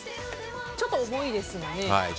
ちょっと重いですよね。